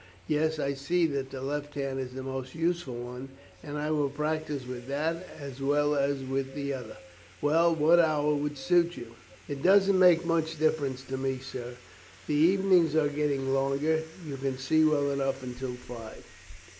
Yes, I see that the left hand is the most useful one, and I will practice with that as well as with the other. Well, what hour will suit you?" "It don't make much difference to me, sir; the evenings are getting longer; you can see well enough until five."